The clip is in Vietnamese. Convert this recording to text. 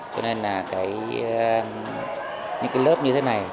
cho nên là những lớp như thế này